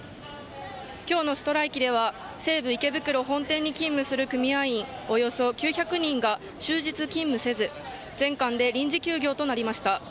今日のストライキでは西武池袋本店に勤務する組合員およそ９００人が終日勤務せず全館で臨時休業となりました。